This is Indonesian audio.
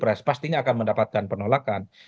yang tampil pres pastinya akan mendapatkan penolakan